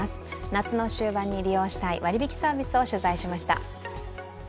夏の終盤に利用したい割り引きサービスを取材しました。